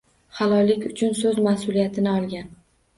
Halollik uchun so‘z mas’uliyatini olgan.